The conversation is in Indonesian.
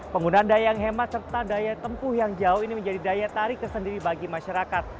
penggunaan daya yang hemat serta daya tempuh yang jauh ini menjadi daya tarik tersendiri bagi masyarakat